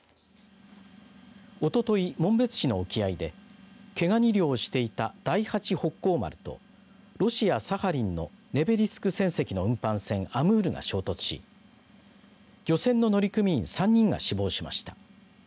おととい、紋別市の沖合で毛ガニ漁をしていた第八北幸丸とロシア、サハリンのネベリスク船籍の運搬船ＡＭＵＲが衝突し漁船の乗組員３人が死亡しました。